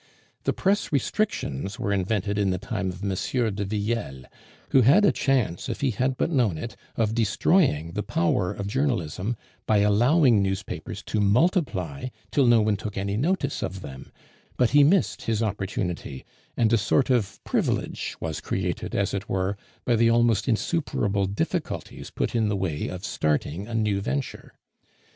The press restrictions were invented in the time of M. de Villele, who had a chance, if he had but known it, of destroying the power of journalism by allowing newspapers to multiply till no one took any notice of them; but he missed his opportunity, and a sort of privilege was created, as it were, by the almost insuperable difficulties put in the way of starting a new venture.